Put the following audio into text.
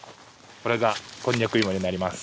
これがこんにゃく芋になります。